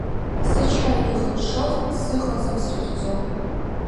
Сычҳарагьы хыҽҽоз, сыҟаӡам срыхьӡо.